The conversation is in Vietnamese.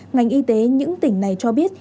ngành y tế những tỉnh này cho biết